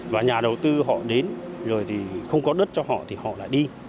và nhà đầu tư họ đến rồi thì không có đất cho họ thì họ lại đi